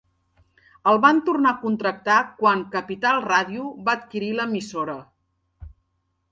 El van tornar a contractar quan Capital Radio va adquirir l'emissora.